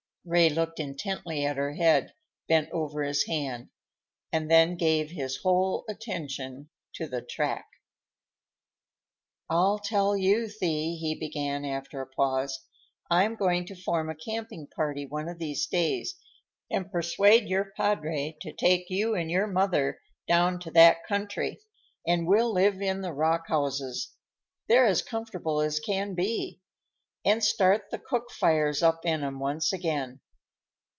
Ray looked intently at her head, bent over his hand, and then gave his whole attention to the track. "I'll tell you, Thee," he began after a pause, "I'm going to form a camping party one of these days and persuade your padre to take you and your mother down to that country, and we'll live in the rock houses—they're as comfortable as can be—and start the cook fires up in 'em once again.